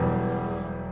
aku harus mencoba